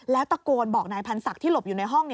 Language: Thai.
แล้วตะโกนบอกนายพันธ์ศักดิ์ที่หลบอยู่ในห้อง